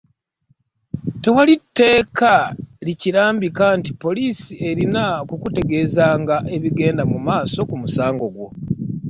Tewali tteeka likirambika nti poliisi erina okukutegeezanga ebigenda mu maaso ku musango gwo.